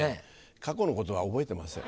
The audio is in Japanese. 過去のことは覚えてません。